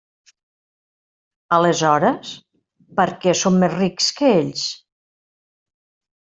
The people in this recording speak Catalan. Aleshores, ¿per què som més rics que ells?